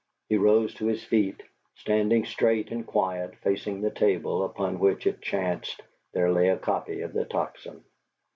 He rose to his feet, standing straight and quiet, facing the table, upon which, it chanced, there lay a copy of the Tocsin.